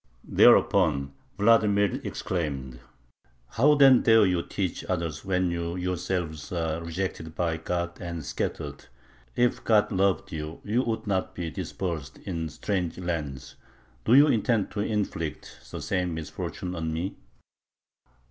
Thereupon Vladimir exclaimed: "How then dare you teach others when you yourselves are rejected by God and scattered? If God loved you, you would not be dispersed in strange lands. Do you intend to inflict the same misfortune on me?"